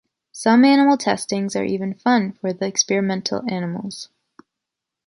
Some animal testings are even fun for the experimental animals.